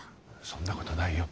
そんなことないよ。